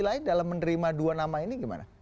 lain dalam menerima dua nama ini gimana